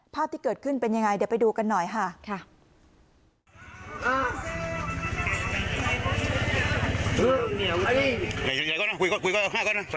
ภาพที่เกิดขึ้นเป็นยังไงเดี๋ยวไปดูกันหน่อยค่ะ